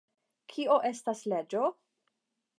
Kio estas leĝo?